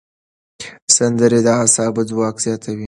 سندرې د اعصابو ځواک زیاتوي.